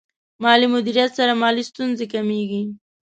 مالي مدیریت سره مالي ستونزې کمېږي.